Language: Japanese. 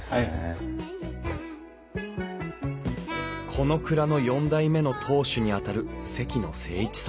この蔵の４代目の当主にあたる関野静一さん。